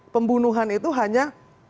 pembunuhan itu hanya